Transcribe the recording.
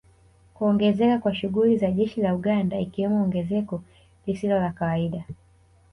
Kuongezeka kwa shughuli za jeshi la Uganda ikiwemo ongezeko lisilo la kawaida